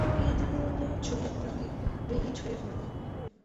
এই ধরনের ছড়িয়ে পড়াকে রেইলেই ছড়িয়ে পড়া বলে।